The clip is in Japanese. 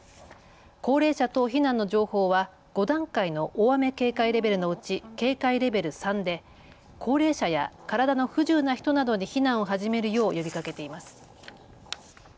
高齢者等避難の情報は５段階の大雨警戒レベルのうち警戒レベル３で高齢者や体の不自由な人などに避難を始めるよう呼びかけています。